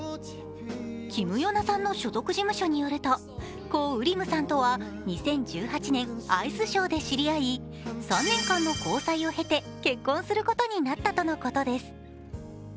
キム・ヨナさんの所属事務所によると、コ・ウリムさんとは２０１８年、アイスショーで知り合い３年間の交際を経て結婚することになったとのことです。